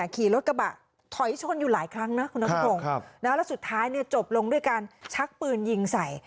ขี่รถกระบะถอยชนอยู่หลายครั้งนะคุณนัทพงศ์แล้วสุดท้ายจบลงด้วยการชักปืนยิงใส่